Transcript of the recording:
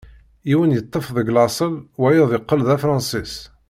Yiwen yeṭṭef deg laṣel, wayeḍ yeqqel d Afransis.